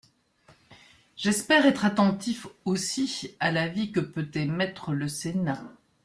J’espère être attentif aussi à l’avis que peut émettre le Sénat.